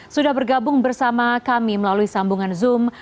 sudah bergabung bersama kami melalui sambungan zoom